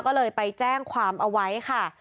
ก็เลยไปแจ้งความเอาไว้ค่ะ